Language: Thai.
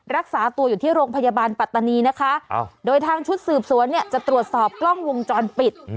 รักษาตัวอยู่ที่โรงพยาบาลปัตตานีนะคะโดยทางชุดสืบสวนเนี่ยจะตรวจสอบกล้องวงจรปิด